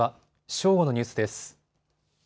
正午のニュースです。